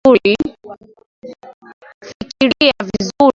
Fikiria vizuri